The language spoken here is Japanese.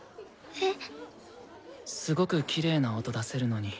えっ？